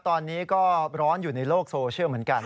ตอนนี้ก็ร้อนอยู่ในโลกโซเชียลเหมือนกัน